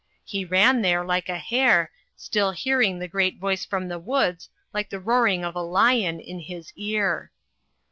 He ran there like a hare, still hearing the great voice from the woods like the roaring of a lion in his ear.